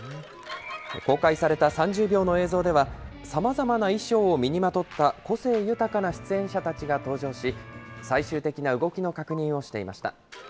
公開された３０秒の映像では、さまざまな衣装を身にまとった個性豊かな出演者たちが登場し、最終的な動きの確認をしていました。